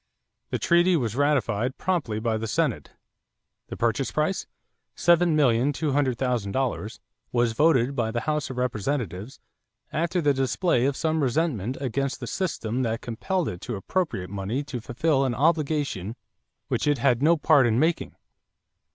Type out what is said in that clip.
The treaty was ratified promptly by the Senate. The purchase price, $7,200,000, was voted by the House of Representatives after the display of some resentment against a system that compelled it to appropriate money to fulfill an obligation which it had no part in making.